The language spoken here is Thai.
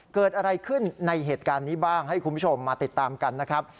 เกิดอะไรขึ้นในเหตุการณ์นี้บ้างให้คุณผู้ชมมาติดตามกันนะครับ